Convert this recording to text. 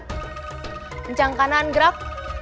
kencang kanan gerak